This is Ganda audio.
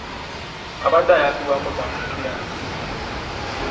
Abadde ayambibwako ttawuni kkiraaka